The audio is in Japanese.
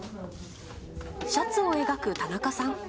シャツを描く田中さん。